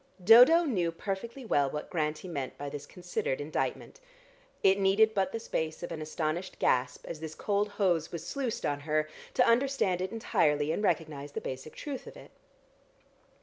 Dodo knew perfectly well what Grantie meant by this considered indictment. It needed but the space of an astonished gasp, as this cold hose was sluiced on her, to understand it entirely, and recognise the basic truth of it.